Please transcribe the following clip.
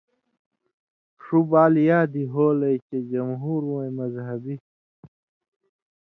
ݜُو بال یادی ہولئ چے جمہوروَیں مذہبی